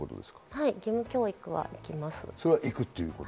はい、義務教育は行きます。